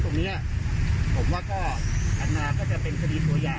คุณแอนนาก็จะเป็นคดีตัวอย่าง